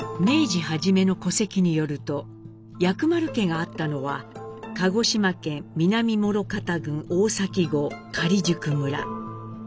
明治初めの戸籍によると薬丸家があったのは鹿児島県南諸縣郡大崎郷假宿村。